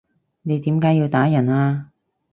你點解要打人啊？